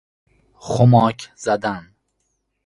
خماک زدن